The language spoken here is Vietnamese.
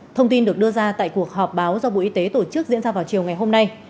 thông tin được đưa ra tại cuộc họp báo do bộ y tế tổ chức diễn ra vào chiều ngày hôm nay